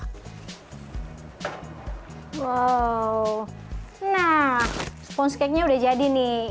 wow nah sponge cake nya udah jadi nih